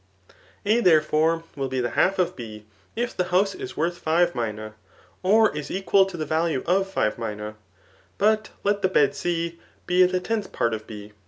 A, there* fore^ will be the half of B, if the house is worth fire minac, or is equal to the value of five minae. But let the bed C be the tenth part of B.